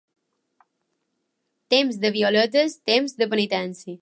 Temps de violetes, temps de penitència.